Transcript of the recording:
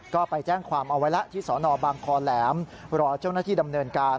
ก็ไปแจ้งความเอาไว้แล้วที่สนบางคอแหลมรอเจ้าหน้าที่ดำเนินการ